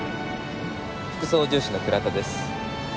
副操縦士の倉田です。